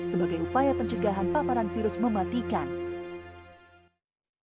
sebagai upaya pencegahan paparan virus mematikan